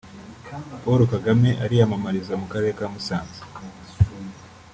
Paul Kagame ariyamamariza mu Karere ka Musanze